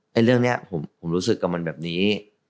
เรื่องนี้ผมรู้สึกกับมันแบบนี้